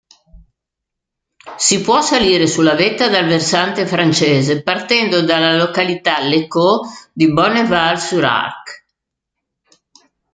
Si può salire sulla vetta dal versante francese partendo dalla località L'Ecot di Bonneval-sur-Arc.